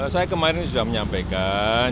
saya kemarin sudah menyampaikan